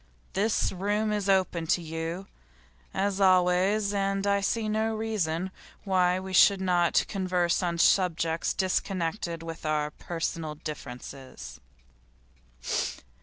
This room is open to you, as always, and I see no reason why we should not converse on subjects disconnected with our personal differences.